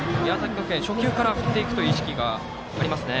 学園、初球から振っていくという意識があります。